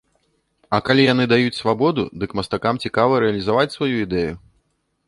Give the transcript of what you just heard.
А калі яны даюць свабоду, дык мастакам цікава рэалізаваць сваю ідэю.